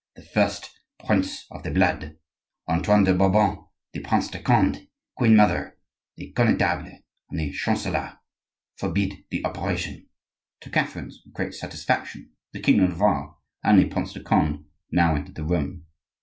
The first prince of the blood, Antoine de Bourbon, the Prince de Conde, the queen mother, the Connetable, and the chancellor forbid the operation." To Catherine's great satisfaction, the king of Navarre and the Prince de Conde now entered the room.